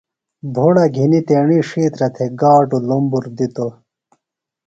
بھُڑہ گِھنیۡ تیݨی ڇھیترہ تھےۡ گاڈو لمبر دِتوۡ۔